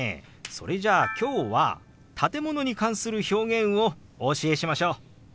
それじゃあ今日は建物に関する表現をお教えしましょう！